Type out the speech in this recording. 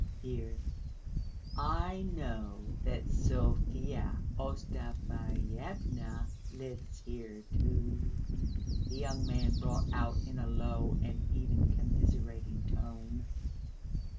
"Here ... I know that Sofya Ostafyevna lives here, too," the young man brought out in a low and even commiserating tone.